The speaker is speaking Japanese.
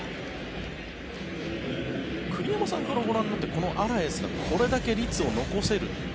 栗山さんからご覧になってこのアラエスがこれだけ率を残せる。